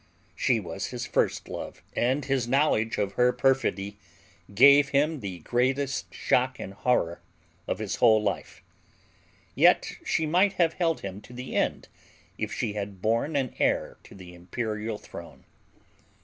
She was his first love, and his knowledge of her perfidy gave him the greatest shock and horror of his whole life; yet she might have held him to the end if she had borne an heir to the imperial throne.